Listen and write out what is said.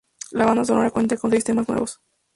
La banda sonora cuenta con seis temas nuevos.